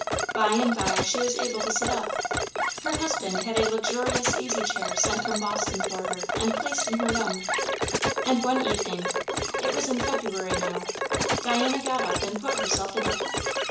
By and by she was able to sit up. Her husband had a luxurious easy chair sent from Boston for her and placed in her room; and one evening, it was in February now, Diana got up and put herself in it.